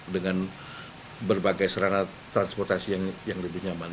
dengan berbagai serana transportasi yang lebih nyaman